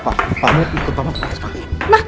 pak kamu ikut papa pulang sekarang